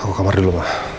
aku ke kamar dulu ma